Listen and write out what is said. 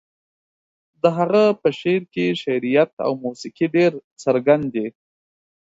د هغه په شعر کې شعريت او موسيقي ډېر څرګند دي.